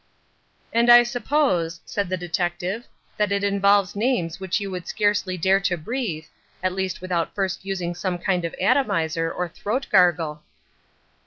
"And I suppose," said the detective, "that it involves names which you would scarcely dare to breathe, at least without first using some kind of atomiser or throat gargle."